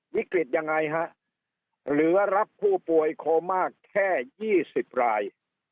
วิกฤตยังไงฮะเหลือรับผู้ป่วยโคม่าแค่๒๐ราย